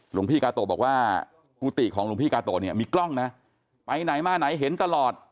หลวงพี่กาโตะบอกว่ากุฏิของหลวงพี่กาโตะเนี่ยมีกล้องนะไปไหนมาไหนเห็นตลอด